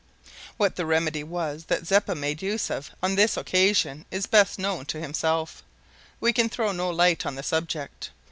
What the remedy was that Zeppa made use of on this occasion is best known to himself; we can throw no light on the subject.